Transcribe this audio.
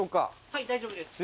はい大丈夫です。